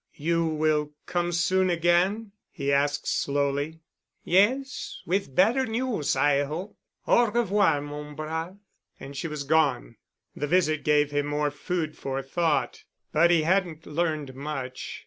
"You will come soon again?" he asked slowly. "Yes—with better news, I hope. Au revoir, mon brave." And she was gone. The visit gave him more food for thought. But he hadn't learned much.